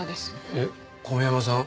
えっ小宮山さん